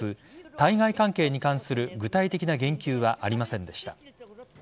対外関係に関する具体的な言及はありませんでした。